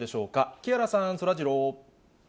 木原さん、そらジロー。